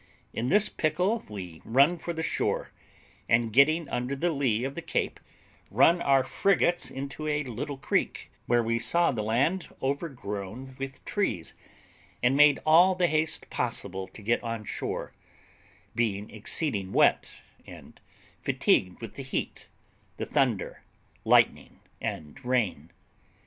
In this pickle we run for the shore, and getting under the lee of the cape, run our frigates into a little creek, where we saw the land overgrown with trees, and made all the haste possible to get on shore, being exceeding wet, and fatigued with the heat, the thunder, lightning, and rain.